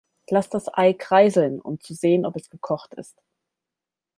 Lass das Ei kreiseln, um zu sehen, ob es gekocht ist.